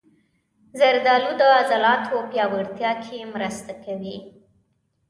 زردالو د عضلاتو پیاوړتیا کې مرسته کوي.